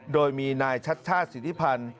โดยมีนายชัชชาศิริพันธ์